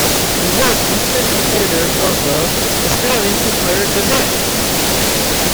He was assistant editor of the "Australian Sinclair Gazette".